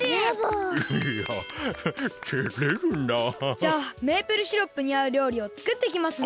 じゃあメープルシロップにあうりょうりをつくってきますね。